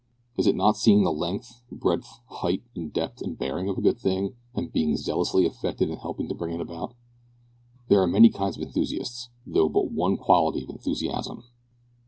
Is it not seeing the length, breadth, height, depth, and bearing of a good thing, and being zealously affected in helping to bring it about? There are many kinds of enthusiasts, though but one quality of enthusiasm.